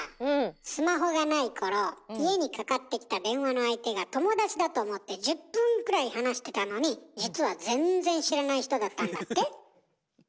スマホがない頃家にかかってきた電話の相手が友達だと思って１０分くらい話してたのに実は全然知らない人だったんだって？